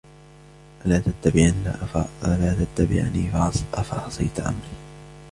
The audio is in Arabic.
ألا تتبعن أفعصيت أمري